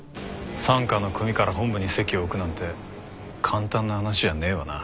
傘下の組から本部に籍を置くなんて簡単な話じゃねえわな。